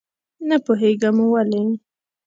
نه پوهېږم ولې.